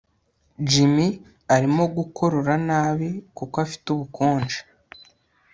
Jimmy arimo gukorora nabi kuko afite ubukonje